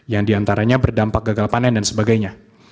yang diantaranya berdampak gagal panen dan sebagainya